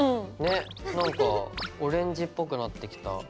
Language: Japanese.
ねなんかオレンジっぽくなってきた。